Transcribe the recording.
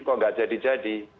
kok nggak jadi jadi